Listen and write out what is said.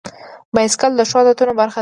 بایسکل د ښو عادتونو برخه ده.